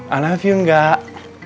i love you enggak